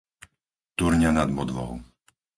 Turňa nad Bodvou